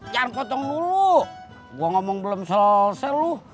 carpotong dulu gua ngomong belum selesel lu